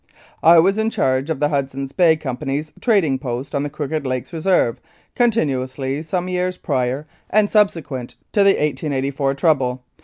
"I was in charge of the Hudson's Bay Company's Trading Post on the Crooked Lakes Reserve con tinuously some years prior and subsequent to the 1884 trouble.